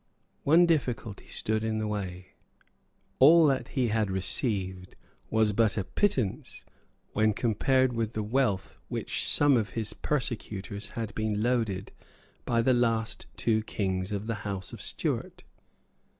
One difficulty stood in the way. All that he had received was but a pittance when compared with the wealth with which some of his persecutors had been loaded by the last two kings of the House of Stuart.